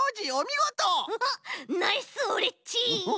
ナイスオレっち。